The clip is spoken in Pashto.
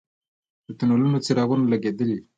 د تونلونو څراغونه لګیدلي؟